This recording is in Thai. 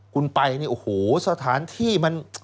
คุณไปเนี่ยโอ้โหสถานที่มัน